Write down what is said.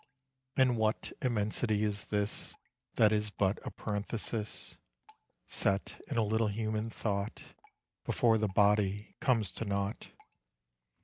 And what immensity is this That is but a parenthesis Set in a little human thought, Before the body comes to naught.